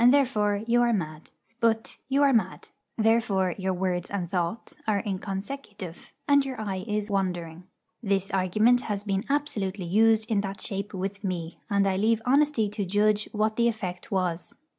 therefore you are mad;' but, 'You are mad; therefore your words and thoughts are inconsecutive, and your eye is wandering.' This argument has been absolutely used in that shape with me; and I leave honesty to judge what the effect was.